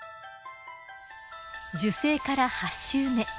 受精から８週目。